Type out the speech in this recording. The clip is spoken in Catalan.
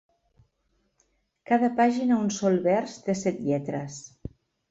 Cada pàgina un sol vers de set lletres.